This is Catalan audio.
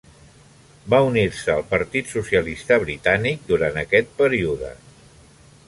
Va unir-se al Partit Socialista Britànic durant aquest període.